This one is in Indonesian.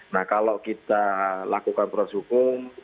nah kalau kita lakukan proses hukum